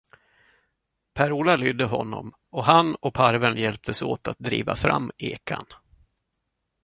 Per Ola lydde honom, och han och parveln hjälptes åt att driva fram ekan.